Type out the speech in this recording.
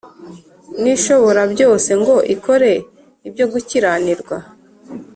n’ishoborabyose ngo ikore ibyo gukiranirwa,